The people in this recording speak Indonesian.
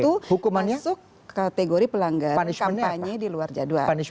itu masuk kategori pelanggaran kampanye di luar jadwal